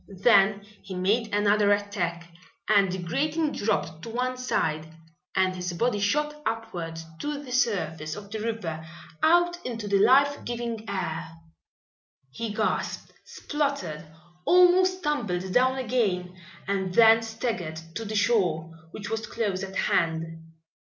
Then he made another attack and the grating dropped to one side and his body shot upward to the surface of the river, out into the life giving air. He gasped, spluttered, almost tumbled down again, and then staggered to the shore, which was close at hand.